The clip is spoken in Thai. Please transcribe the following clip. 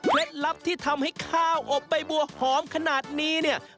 เคล็ดลับที่ทำให้ข้าวอบใบบัวหอมขนาดนี้